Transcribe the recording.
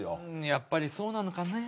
やっぱりそうなのかねえ